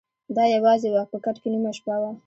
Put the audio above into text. د ا یوازي وه په کټ کي نیمه شپه وه